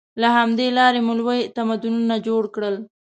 له همدې لارې مو لوی تمدنونه جوړ کړل.